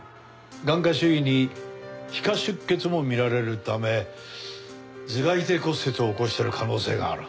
眼窩周囲に皮下出血も見られるため頭蓋底骨折を起こしている可能性がある。